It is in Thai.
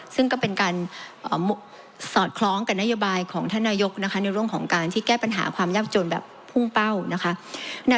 ซึ่งก็เป็นการสอดคล้องกับนโยบายของท่านนายกนะคะในเรื่องของการที่แก้ปัญหาความยากจนแบบพุ่งเป้านะคะ